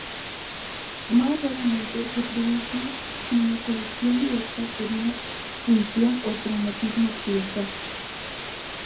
Más raramente se produce inoculación directa por una punción o traumatismo accidental.